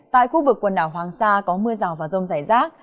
tại khu vực quần đảo hoàng sa có mưa rào và rông rải rác